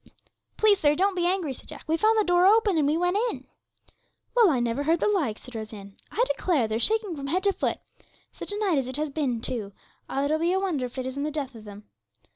'Please, sir, don't be angry,' said Jack; 'we found the door open, and we went in.' 'Well, I never heard the like,' said Rose Ann. 'I declare they're shaking from head to foot. Such a night as it has been, too; it'll be a wonder if it isn't the death of them.'